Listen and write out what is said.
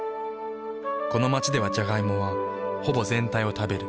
この街ではジャガイモはほぼ全体を食べる。